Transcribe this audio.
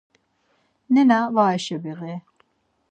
Nena var eşebiği.